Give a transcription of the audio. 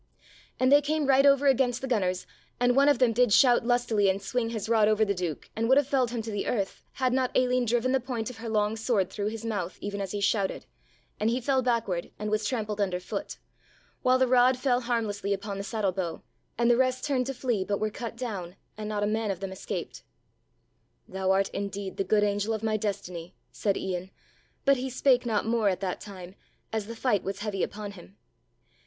And they came right over against the gunners and one of them did shout lustily and swing his rod over the Duke and would have felled him to the earth had not Aline driven the point of her long sword through his mouth even as he shouted, and he fell backward and was trampled under foot, while the rod fell harmlessly upon the saddle bow, and the rest turned to flee but were cut down and not a man of them escaped. "Thou art indeed the good angel of my destiny," said Ian; but he spake not more at that time, as the fight was heavy upon him.